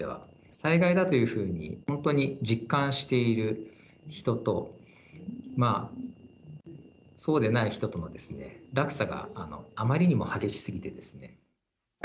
災害だというふうに、本当に実感している人と、まあ、そうでない人との落差があまりにも激しすぎてですね。